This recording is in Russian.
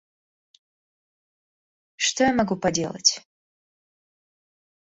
Что я могу поделать?